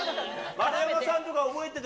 丸山さんとか覚えてた？